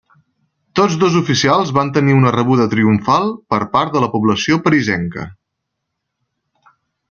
Tots dos oficials van tenir una rebuda triomfal per part de la població parisenca.